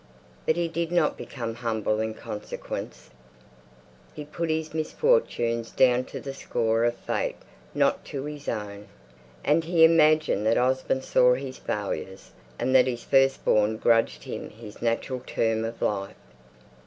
But he did not become humble in consequence. He put his misfortunes down to the score of Fate not to his own; and he imagined that Osborne saw his failures, and that his first born grudged him his natural term of life.